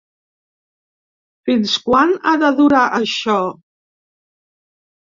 Fins quan ha de durar això?